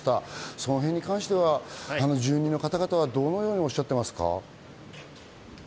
その辺に関しては住民の方々はどのようにおしゃっていますか？